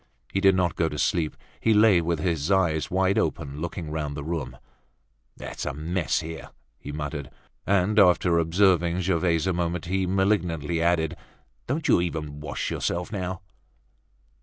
He did not go to sleep, he lay with his eyes wide open, looking round the room. "It's a mess here!" he muttered. And after observing Gervaise a moment, he malignantly added: "Don't you even wash yourself now?"